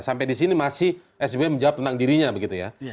sampai di sini masih sby menjawab tentang dirinya begitu ya